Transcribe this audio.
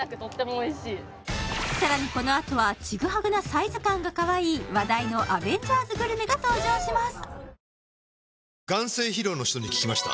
さらにこのあとはチグハグなサイズ感がかわいい話題のアベンジャーズグルメが登場します